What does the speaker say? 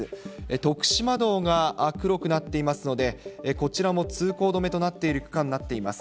徳島道が黒くなっていますので、こちらも通行止めとなっている区間になっています。